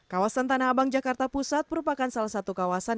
kawasan tanah abang jakarta pusat merupakan salah satu kawasan